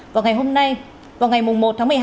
vào ngày hôm nay vào ngày một tháng một mươi hai